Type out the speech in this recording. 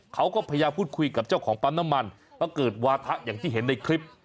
เขาก็พยายามพูดคุยกับเจ้าของปั๊มน้ำมันเพราะเกิดวาถะอย่างที่เห็นในคลิป